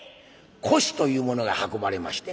輿というものが運ばれまして。